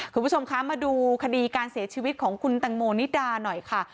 คุณผู้ชมคะมาดูคดีการเสียชีวิตของคุณตังโมนิดาหน่อยค่ะ